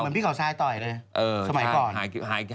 พี่เขาทรายต่อยเลยสมัยก่อน